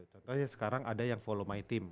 contohnya sekarang ada yang volume my team